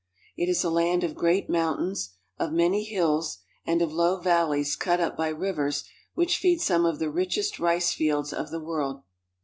It is a land of great mountains, of many hills, and of low valleys cut up by rivers which feed some of the richest rice fields of the world.